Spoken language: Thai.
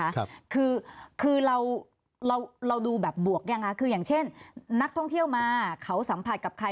คือคือเราเราดูแบบบวกยังคะคืออย่างเช่นนักท่องเที่ยวมาเขาสัมผัสกับใคร